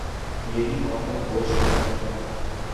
یہی معاملہ post truth کا ہے۔